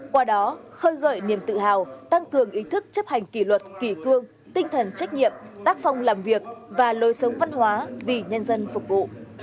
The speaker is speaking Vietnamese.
qua đó khơi gợi niềm tự hào tăng cường ý thức chấp hành kỷ luật kỷ cương tinh thần trách nhiệm tác phong làm việc và lối sống văn hóa vì nhân dân phục vụ